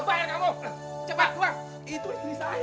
pak sudah beruntung